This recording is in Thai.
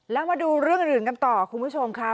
แล้วมาดูเรื่องอื่นกันต่อคุณผู้ชมค่ะ